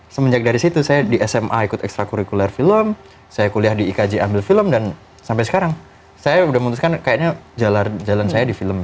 semenjak dari situ saya di sma ikut ekstra kurikuler film saya kuliah di ikj ambil film dan sampai sekarang saya udah memutuskan kayaknya jalan saya di film